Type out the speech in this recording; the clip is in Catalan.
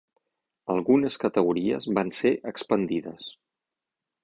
Algunes categories van ser expandides.